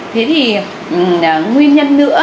thế thì nguyên nhân nữa